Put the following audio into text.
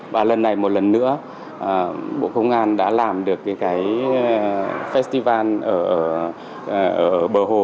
và lần này một lần nữa bộ công an đã làm được cái festival ở bờ hồ